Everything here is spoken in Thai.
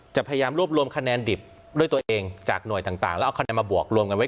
พยายามรวบรวมคะแนนดิบด้วยตัวเองจากหน่วยต่างแล้วเอาคะแนนมาบวกรวมกันไว้